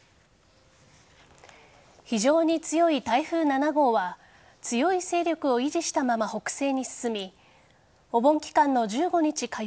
非常に強い台風７号は強い勢力を維持したまま北西に進みお盆期間の１５日火曜